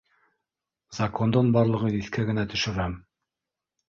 Закондың барлығын иҫкә генә төшөрәм